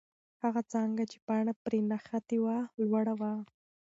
هغه څانګه چې پاڼه پرې نښتې وه، لوړه وه.